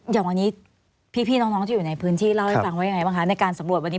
อย่างวันนี้พี่น้องที่อยู่ในพื้นที่เล่าให้ฟังว่ายังไงบ้างคะในการสำรวจวันนี้